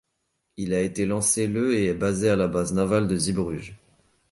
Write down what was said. Il a été lancé le et est basé à la Base navale de Zeebruges.